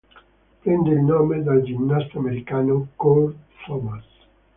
Prende il nome dal ginnasta americano Kurt Thomas.